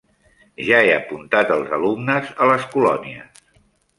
Ja he apuntat els alumnes a les colònies.